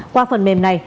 qua phần mềm này